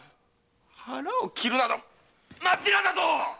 腹を切るなどまっぴらだぞ‼